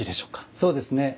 そうですね。